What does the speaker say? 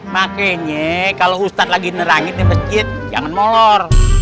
makanya kalau ustad lagi nerangit di masjid jangan molor